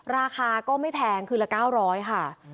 ราคาก็ไม่แพงคืนละ๙๐๐ค่ะ